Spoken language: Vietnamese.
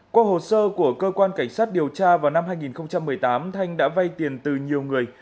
qua hồ sơ của cơ quan cảnh sát điều tra vào năm hai nghìn một mươi tám thanh đã vay tiền từ nhiều người